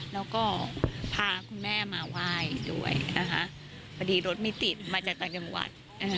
แล้วก็พาคุณแม่มาไหว้ด้วยนะคะพอดีรถไม่ติดมาจากต่างจังหวัด